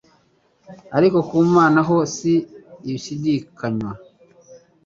ariko ku Mana ho si ibishidikanywa